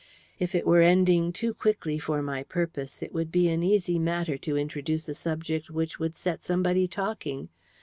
If it were ending too quickly for my purpose it would be an easy matter to introduce a subject which would set somebody talking.